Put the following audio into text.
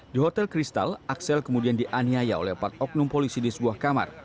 di hotel kristal axel kemudian dianiaya oleh empat oknum polisi di sebuah kamar